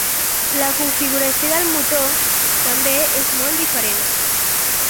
La configuració del motor també és molt diferent.